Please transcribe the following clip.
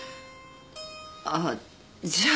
ああじゃあ